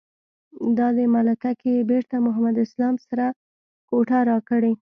دادی مکه کې یې بېرته محمد اسلام سره کوټه راکړې.